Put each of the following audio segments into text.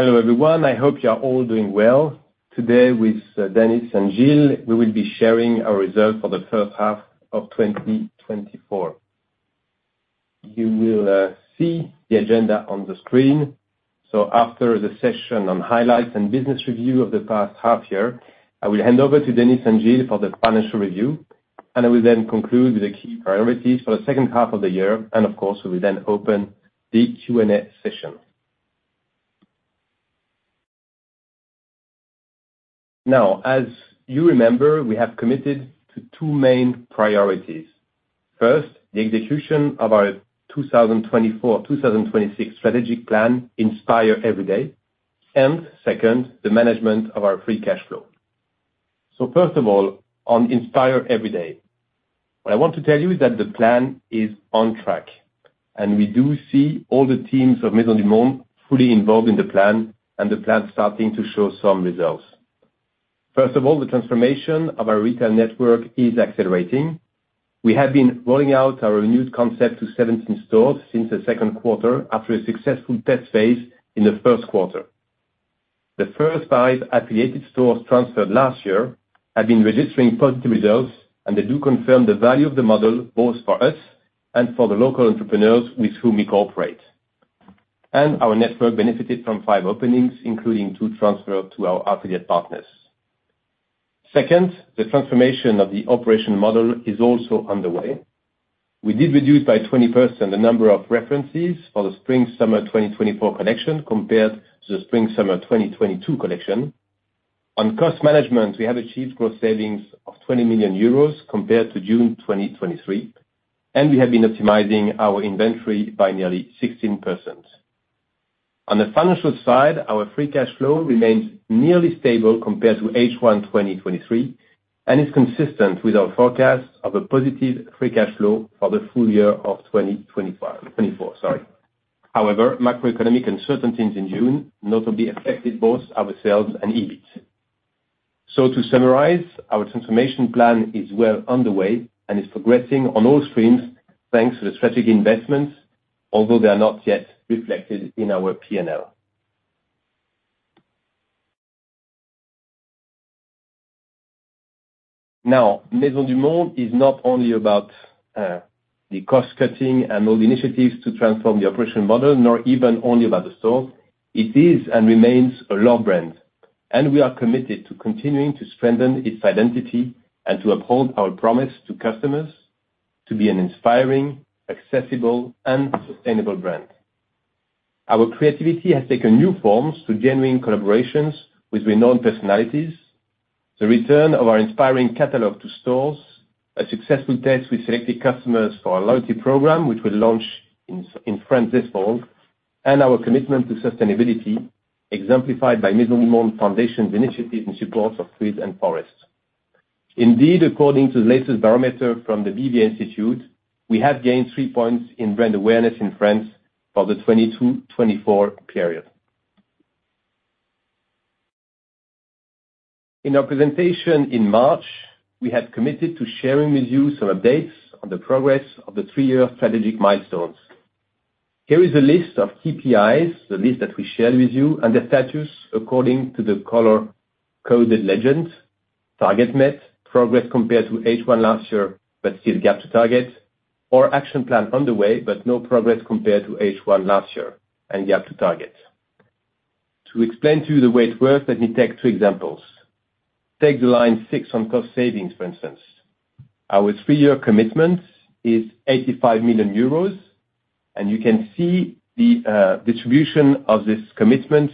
Hello, everyone. I hope you're all doing well. Today, with Denis and Gilles, we will be sharing our results for the first half of 2024. You will see the agenda on the screen. After the session on highlights and business review of the past half year, I will hand over to Denis and Gilles for the financial review, and I will then conclude with the key priorities for the second half of the year. Of course, we will then open the Q&A session. Now, as you remember, we have committed to two main priorities. First, the execution of our 2024-2026 strategic plan, Inspire Everyday, and second, the management of our free cash flow. First of all, on Inspire Everyday, what I want to tell you is that the plan is on track, and we do see all the teams of Maisons du Monde fully involved in the plan, and the plan is starting to show some results. First of all, the transformation of our retail network is accelerating. We have been rolling out our new concept to 17 stores since the Q2, after a successful test phase in the Q1. The first five affiliated stores transferred last year have been registering positive results, and they do confirm the value of the model both for us and for the local entrepreneurs with whom we cooperate. Our network benefited from five openings, including two transferred to our affiliate partners. Second, the transformation of the operational model is also underway. We did reduce by 20% the number of references for the spring-summer 2024 collection compared to the spring-summer 2022 collection. On cost management, we have achieved gross savings of 20 million euros compared to June 2023, and we have been optimizing our inventory by nearly 16%. On the financial side, our free cash flow remains nearly stable compared to H1 2023 and is consistent with our forecast of a positive free cash flow for the full year of 2024. However, macroeconomic uncertainties in June notably affected both our sales and EBIT. So, to summarize, our transformation plan is well underway and is progressing on all streams thanks to the strategic investments, although they are not yet reflected in our P&L. Now, Maisons du Monde is not only about the cost-cutting and all the initiatives to transform the operational model, nor even only about the stores. It is and remains a love brand, and we are committed to continuing to strengthen its identity and to uphold our promise to customers to be an inspiring, accessible, and sustainable brand. Our creativity has taken new forms through genuine collaborations with renowned personalities, the return of our inspiring catalog to stores, a successful test with selected customers for a loyalty program, which we launched in France this fall, and our commitment to sustainability, exemplified by Maisons du Monde Foundation's initiatives in support of trees and forests. Indeed, according to the latest barometer from the BVA Institute, we have gained three points in brand awareness in France for the 2022-2024 period. In our presentation in March, we have committed to sharing with you some updates on the progress of the three-year strategic milestones. Here is a list of KPIs, the list that we shared with you, and the status according to the color-coded legend: target met, progress compared to H1 last year, but still gap to target, or action plan underway, but no progress compared to H1 last year, and gap to target. To explain to you the way it works, let me take two examples. Take the line six on cost savings, for instance. Our three-year commitment is 85 million euros, and you can see the distribution of this commitment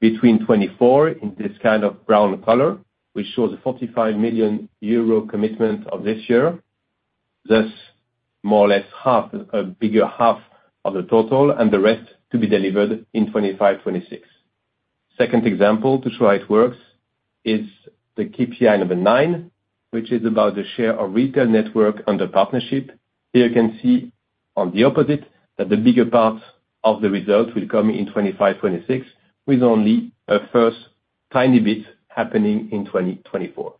between 2024 in this kind of brown color, which shows a 45 million commitment of this year, thus more or less half, a bigger half of the total, and the rest to be delivered in 2025-2026. Second example to show how it works is the KPI number nine, which is about the share of retail network under partnership. Here you can see on the opposite that the bigger part of the result will come in 2025-2026, with only a first tiny bit happening in 2024.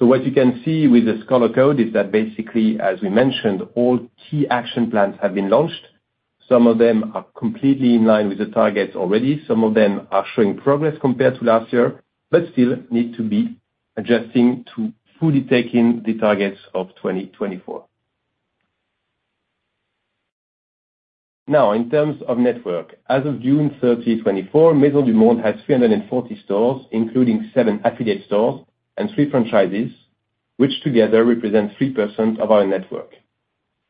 So what you can see with this color code is that basically, as we mentioned, all key action plans have been launched. Some of them are completely in line with the targets already. Some of them are showing progress compared to last year, but still need to be adjusting to fully take in the targets of 2024. Now, in terms of network, as of June 30, 2024, Maisons du Monde has 340 stores, including seven affiliate stores and three franchises, which together represent 3% of our network.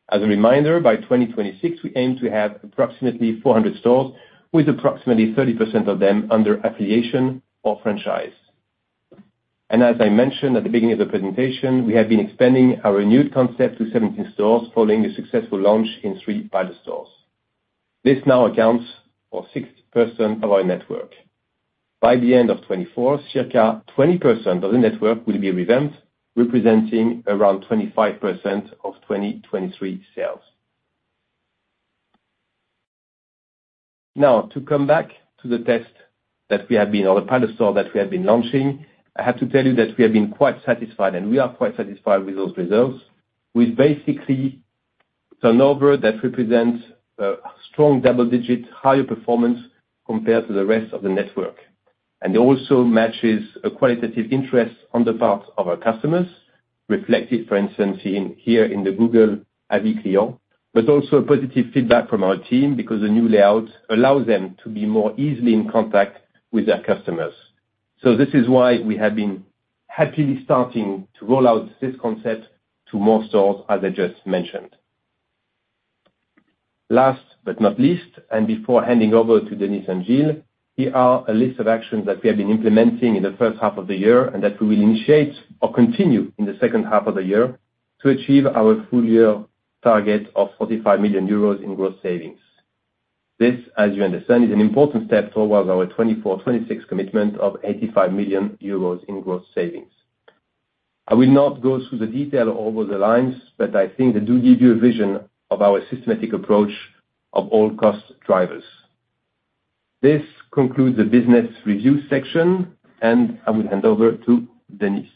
As a reminder, by 2026, we aim to have approximately 400 stores, with approximately 30% of them under affiliation or franchise. As I mentioned at the beginning of the presentation, we have been expanding our new concept to 17 stores following the successful launch in 3 other stores. This now accounts for 6% of our network. By the end of 2024, circa 20% of the network will be revamped, representing around 25% of 2023 sales. Now, to come back to the test that we have been or the pilot store that we have been launching, I have to tell you that we have been quite satisfied, and we are quite satisfied with those results, with basically an overall that represents a strong double-digit higher performance compared to the rest of the network. It also matches a qualitative interest on the part of our customers, reflected, for instance, here in the Google Avis Clients, but also positive feedback from our team because the new layout allows them to be more easily in contact with their customers. So this is why we have been happily starting to roll out this concept to more stores, as I just mentioned. Last but not least, and before handing over to Denis and Gilles, here are a list of actions that we have been implementing in the first half of the year and that we will initiate or continue in the second half of the year to achieve our full-year target of 45 million euros in gross savings. This, as you understand, is an important step towards our 2024-2026 commitment of 85 million euros in gross savings. I will not go through the detail over the lines, but I think they do give you a vision of our systematic approach of all cost drivers. This concludes the business review section, and I will hand over to Denis.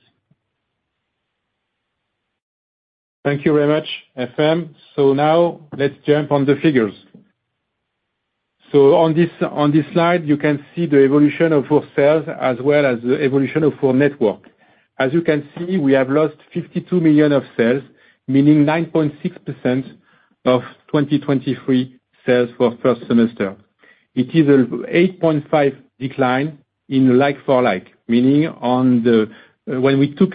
Thank you very much, FM. So now let's jump on the figures. So on this slide, you can see the evolution of our sales as well as the evolution of our network. As you can see, we have lost 52 million of sales, meaning 9.6% of 2023 sales for the first semester. It is an 8.5% decline in like-for-like, meaning when we took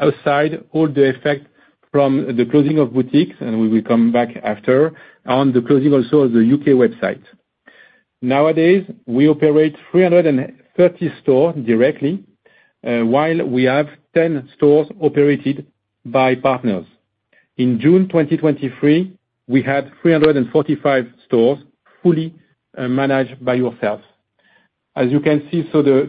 outside all the effect from the closing of boutiques, and we will come back after, on the closing also of the U.K. website. Nowadays, we operate 330 stores directly, while we have 10 stores operated by partners. In June 2023, we had 345 stores fully managed by yourself. As you can see, so the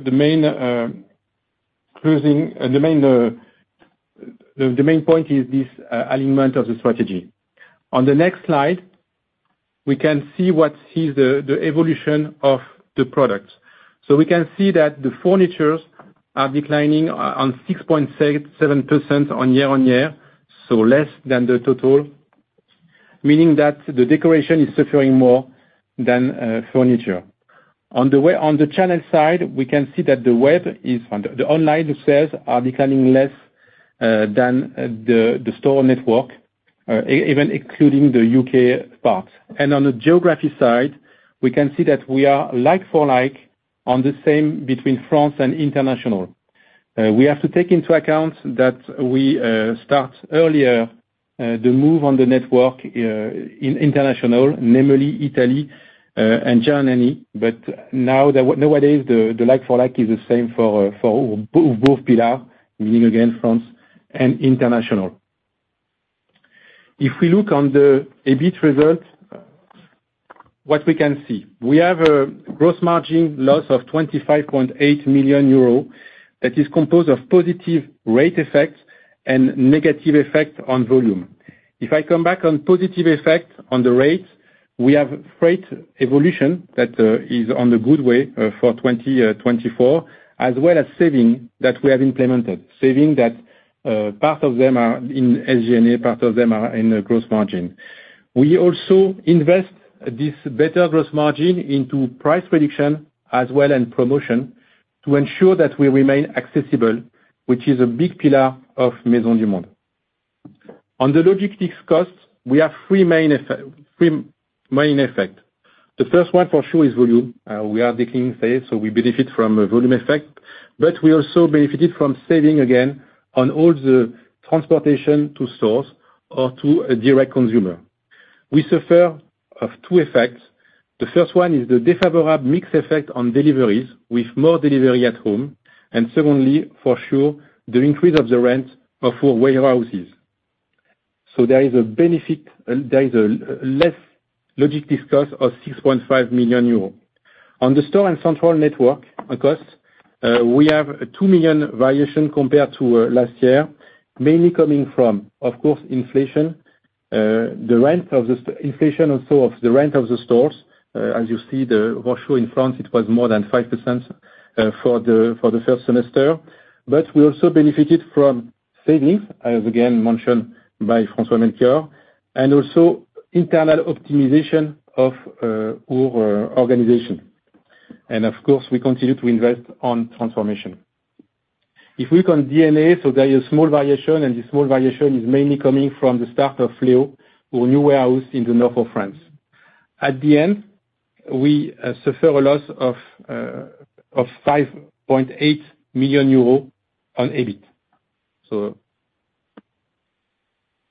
main point is this alignment of the strategy. On the next slide, we can see what is the evolution of the products. So we can see that the furniture is declining by 6.7% year-on-year, so less than the total, meaning that the decoration is suffering more than furniture. On the channel side, we can see that the web is the online sales are declining less than the store network, even excluding the UK part. And on the geography side, we can see that we are like-for-like on the same between France and international. We have to take into account that we start earlier the move on the network in international, namely Italy and Germany, but nowadays, the like-for-like is the same for both pillar, meaning again France and international. If we look on the EBIT result, what we can see, we have a gross margin loss of 25.8 million euros that is composed of positive rate effect and negative effect on volume. If I come back on positive effect on the rate, we have freight evolution that is on the good way for 2024, as well as savings that we have implemented, savings that part of them are in SG&A, part of them are in gross margin. We also invest this better gross margin into price reduction as well as promotion to ensure that we remain accessible, which is a big pillar of Maisons du Monde. On the logistics cost, we have three main effects. The first one, for sure, is volume. We are declining sales, so we benefit from a volume effect, but we also benefited from savings again on all the transportation to stores or to a direct consumer. We suffer from two effects. The first one is the unfavorable mix effect on deliveries with more delivery at home. Secondly, for sure, the increase of the rent of our warehouses. So there is a benefit, there is a less logistics cost of 6.5 million euros. On the store and central network costs, we have a 2 million variation compared to last year, mainly coming from, of course, inflation, the rent of the inflation also of the rent of the stores. As you see, the rush in France, it was more than 5% for the first semester. But we also benefited from savings, as again mentioned by François-Melchior, and also internal optimization of our organization. And of course, we continue to invest on transformation. If we look on D&A, so there is a small variation, and this small variation is mainly coming from the start of Leo, our new warehouse in the North of France. At the end, we suffer a loss of 5.8 million euro on EBIT.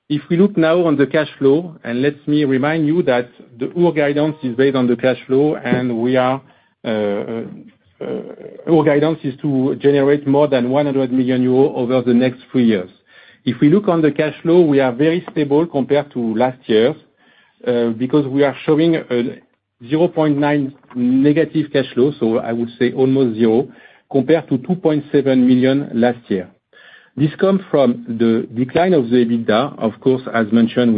If we look now on the cash flow, and let me remind you that our guidance is based on the cash flow, and our guidance is to generate more than 100 million euros over the next 3 years. If we look on the cash flow, we are very stable compared to last year because we are showing a 0.9 negative cash flow, so I would say almost zero, compared to 2.7 million last year. This comes from the decline of the EBITDA, of course, as mentioned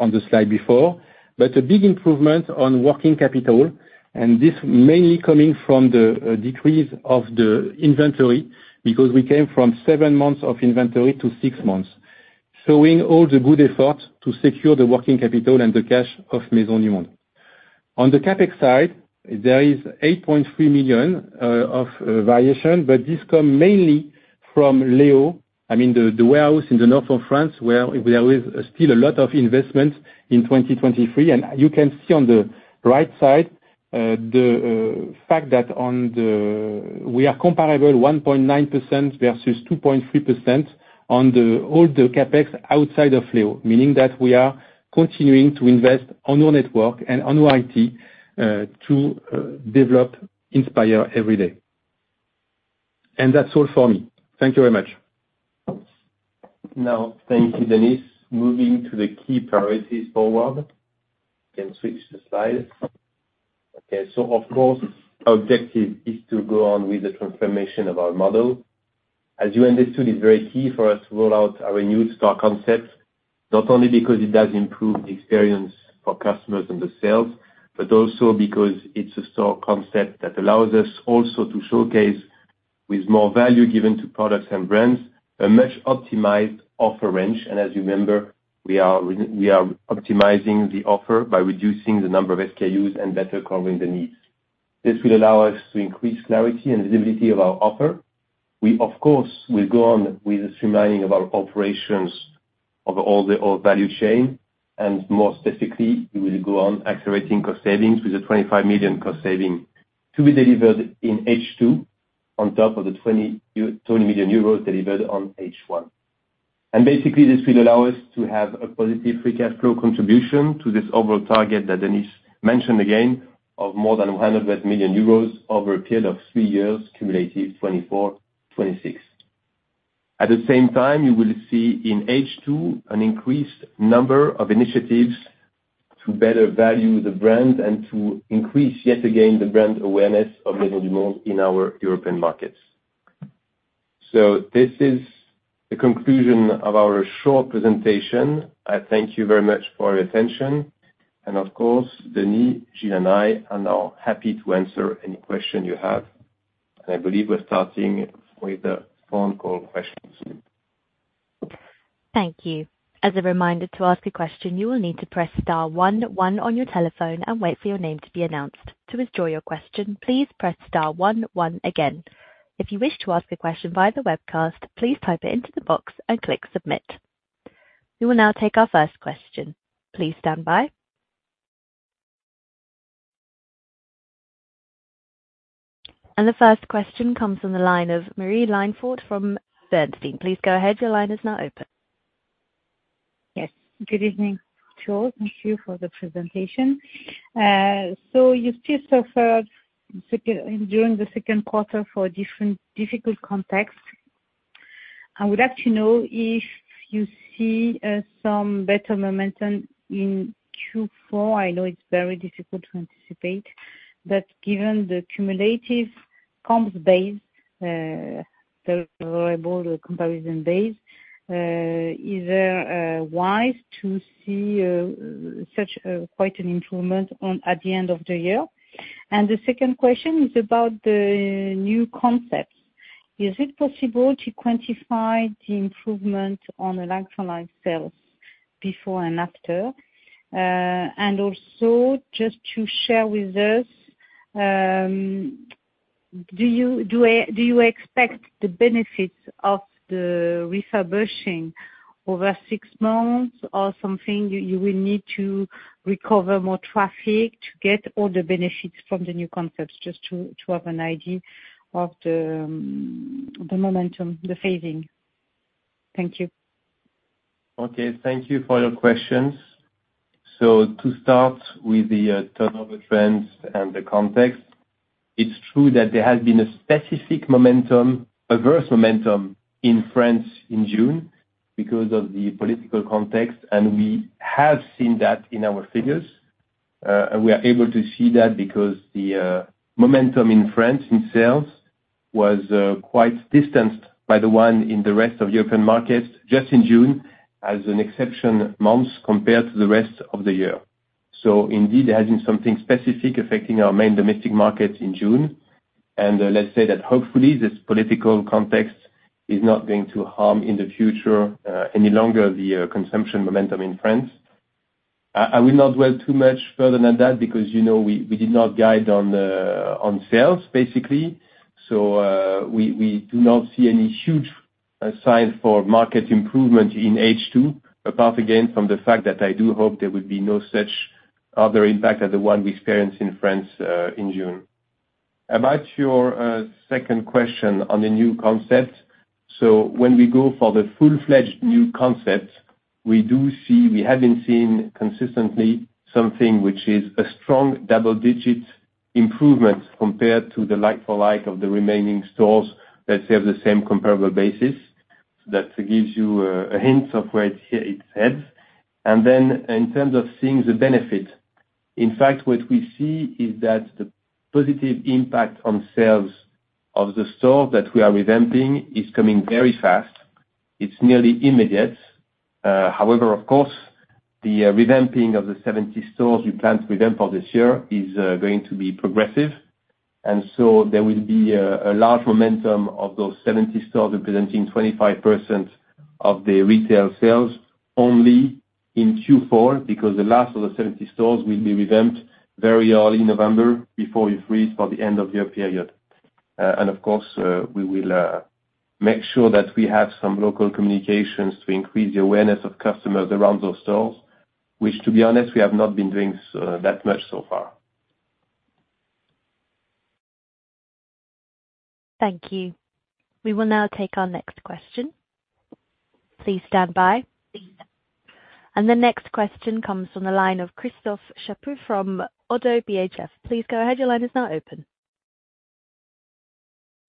on the slide before, but a big improvement on working capital, and this mainly coming from the decrease of the inventory because we came from 7 months of inventory to 6 months, showing all the good effort to secure the working capital and the cash of Maisons du Monde. On the CapEx side, there is 8.3 million of variation, but this comes mainly from Leo, I mean the warehouse in the North of France, where there is still a lot of investment in 2023. You can see on the right side the fact that we are comparable 1.9% versus 2.3% on all the CapEx outside of Leo, meaning that we are continuing to invest on our network and on our IT to develop Inspire Everyday. That's all for me. Thank you very much. Now, thank you, Denis. Moving to the key priorities forward, you can switch the slide. Okay. So, of course, our objective is to go on with the transformation of our model. As you understood, it's very key for us to roll out our new store concept, not only because it does improve the experience for customers and the sales, but also because it's a store concept that allows us also to showcase with more value given to products and brands a much optimized offer range. As you remember, we are optimizing the offer by reducing the number of SKUs and better covering the needs. This will allow us to increase clarity and visibility of our offer. We, of course, will go on with the streamlining of our operations over all the value chain, and more specifically, we will go on accelerating cost savings with a 25 million cost saving to be delivered in H2 on top of the 20 million euros delivered on H1. And basically, this will allow us to have a positive free cash flow contribution to this overall target that Denis mentioned again of more than 100 million euros over a period of three years, cumulative 2024-2026. At the same time, you will see in H2 an increased number of initiatives to better value the brand and to increase yet again the brand awareness of Maisons du Monde in our European markets. So this is the conclusion of our short presentation. I thank you very much for your attention. And of course, Denis, Gilles, and I are now happy to answer any question you have. I believe we're starting with the phone call questions. Thank you. As a reminder to ask a question, you will need to press star 11 on your telephone and wait for your name to be announced. To withdraw your question, please press star 11 again. If you wish to ask a question via the webcast, please type it into the box and click submit. We will now take our first question. Please stand by. The first question comes on the line of Marie-Line Fort from Bernstein. Please go ahead. Your line is now open. Yes. Good evening, Charles. Thank you for the presentation. So you still suffered during the Q2 for different difficult contexts. I would like to know if you see some better momentum in Q4. I know it's very difficult to anticipate, but given the cumulative comps base, the comparison base, is there a way to see quite an improvement at the end of the year? And the second question is about the new concepts. Is it possible to quantify the improvement on the like-for-like sales before and after? And also, just to share with us, do you expect the benefits of the refurbishing over six months or something? You will need to recover more traffic to get all the benefits from the new concepts, just to have an idea of the momentum, the phasing? Thank you. Okay. Thank you for your questions. So to start with the turnover trends and the context, it's true that there has been a specific momentum, a reverse momentum in France in June because of the political context, and we have seen that in our figures. We are able to see that because the momentum in France in sales was quite distanced by the one in the rest of European markets just in June as an exception month compared to the rest of the year. So indeed, there has been something specific affecting our main domestic markets in June. And let's say that hopefully this political context is not going to harm in the future any longer the consumption momentum in France. I will not dwell too much further than that because we did not guide on sales, basically. So we do not see any huge sign for market improvement in H2, apart again from the fact that I do hope there will be no such other impact as the one we experienced in France in June. About your second question on the new concept, so when we go for the full-fledged new concept, we do see we have been seeing consistently something which is a strong double-digit improvement compared to the like-for-like of the remaining stores that serve the same comparable basis. That gives you a hint of where it heads. And then in terms of seeing the benefit, in fact, what we see is that the positive impact on sales of the stores that we are revamping is coming very fast. It's nearly immediate. However, of course, the revamping of the 70 stores we plan to revamp for this year is going to be progressive. And so there will be a large momentum of those 70 stores representing 25% of the retail sales only in Q4 because the last of the 70 stores will be revamped very early November before we freeze for the end of year period. Of course, we will make sure that we have some local communications to increase the awareness of customers around those stores, which, to be honest, we have not been doing that much so far. Thank you. We will now take our next question. Please stand by. The next question comes on the line of Christophe Chaput from Oddo BHF. Please go ahead. Your line is now open.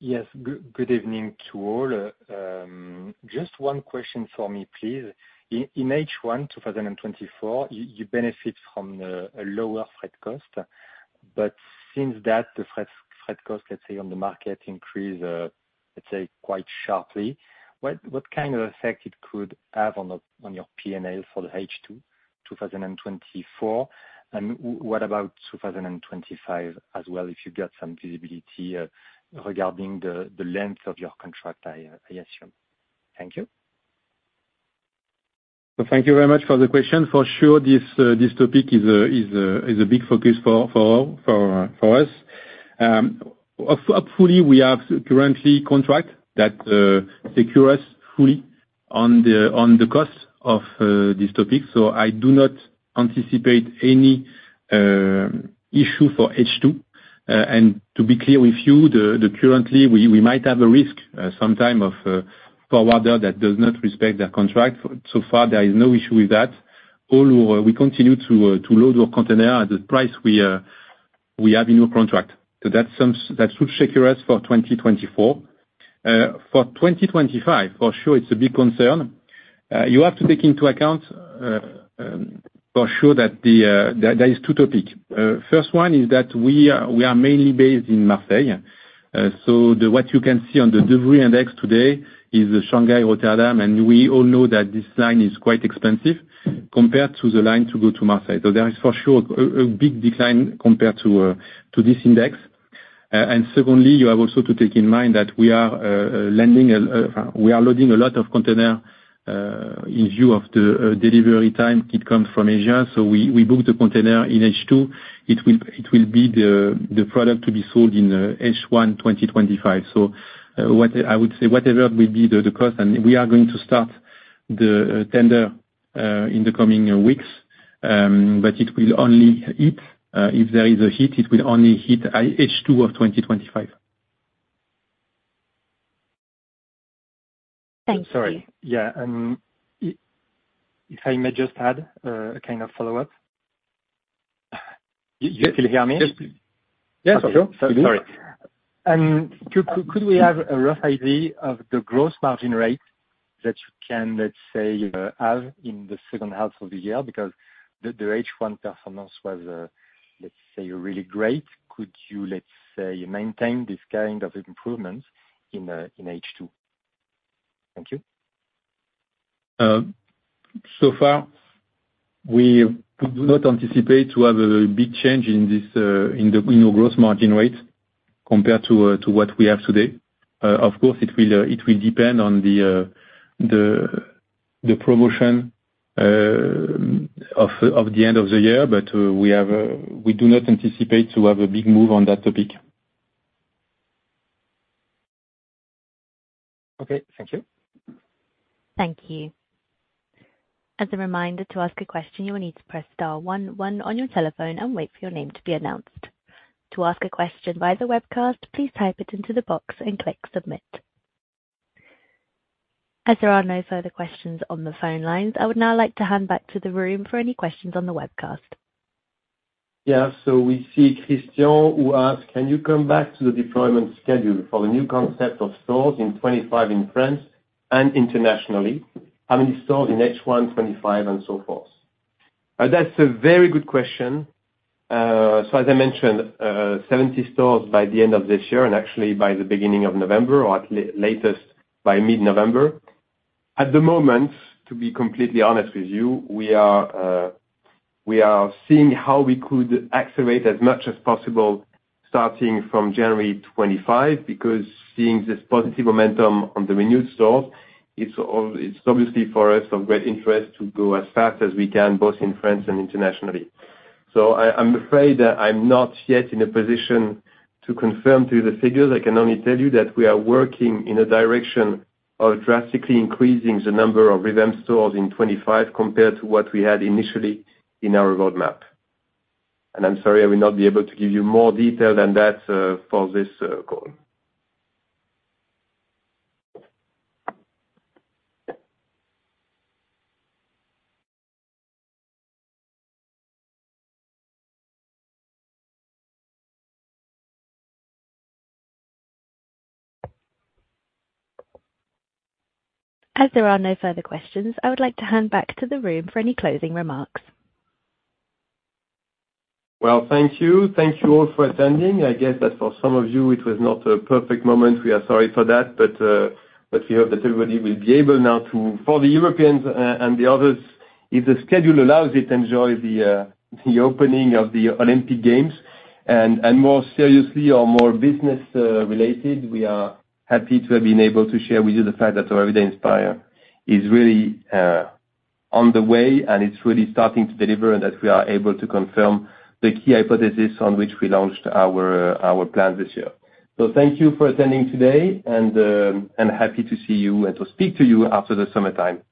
Yes. Good evening to all. Just one question for me, please. In H1 2024, you benefit from a lower freight cost, but since that, the freight cost, let's say, on the market increased, let's say, quite sharply. What kind of effect it could have on your P&L for the H2 2024? And what about 2025 as well, if you've got some visibility regarding the length of your contract, I assume? Thank you. Thank you very much for the question. For sure, this topic is a big focus for us. Hopefully, we have currently a contract that secures fully on the cost of this topic. So I do not anticipate any issue for H2. And to be clear with you, currently, we might have a risk sometime of forwarder that does not respect their contract. So far, there is no issue with that. We continue to load our container at the price we have in our contract. So that should secure us for 2024. For 2025, for sure, it's a big concern. You have to take into account, for sure, that there are two topics. First one is that we are mainly based in Marseille. So what you can see on the delivery index today is Shanghai, Rotterdam, and we all know that this line is quite expensive compared to the line to go to Marseille. So there is, for sure, a big decline compared to this index. Secondly, you have also to take in mind that we are loading a lot of containers in view of the delivery time it comes from Asia. So we book the container in H2. It will be the product to be sold in H1 2025. So I would say whatever will be the cost, and we are going to start the tender in the coming weeks, but it will only hit if there is a hit. It will only hit H2 of 2025. Thank you. Sorry. Yeah. If I may just add a kind of follow-up. You still hear me? Yes, for sure. Sorry. Could we have a rough idea of the gross margin rate that you can, let's say, have in the second half of the year? Because the H1 performance was, let's say, really great. Could you, let's say, maintain this kind of improvement in H2? Thank you. So far, we do not anticipate to have a big change in our gross margin rate compared to what we have today. Of course, it will depend on the promotion of the end of the year, but we do not anticipate to have a big move on that topic. Okay. Thank you. Thank you. As a reminder to ask a question, you will need to press star 11 on your telephone and wait for your name to be announced. To ask a question via the webcast, please type it into the box and click submit. As there are no further questions on the phone lines, I would now like to hand back to the room for any questions on the webcast. Yeah. So we see Christian who asks, "Can you come back to the deployment schedule for the new concept of stores in 2025 in France and internationally? How many stores in H1 2025 and so forth?" That's a very good question. So, as I mentioned, 70 stores by the end of this year and actually by the beginning of November, or at latest by mid-November. At the moment, to be completely honest with you, we are seeing how we could accelerate as much as possible starting from January 2025 because seeing this positive momentum on the renewed stores, it's obviously for us of great interest to go as fast as we can, both in France and internationally. So I'm afraid that I'm not yet in a position to confirm to you the figures. I can only tell you that we are working in a direction of drastically increasing the number of revamped stores in 2025 compared to what we had initially in our roadmap. I'm sorry, I will not be able to give you more detail than that for this call. As there are no further questions, I would like to hand back to the room for any closing remarks. Well, thank you. Thank you all for attending. I guess that for some of you, it was not a perfect moment. We are sorry for that, but we hope that everybody will be able now to, for the Europeans and the others, if the schedule allows it, enjoy the opening of the Olympic Games. More seriously or more business-related, we are happy to have been able to share with you the fact that Inspire is really on the way and it's really starting to deliver and that we are able to confirm the key hypothesis on which we launched our plan this year. Thank you for attending today and happy to see you and to speak to you after the summertime.